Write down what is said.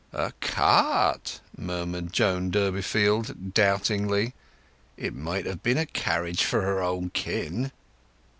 "A cart?" murmured Joan Durbeyfield doubtingly. "It might have been a carriage for her own kin!"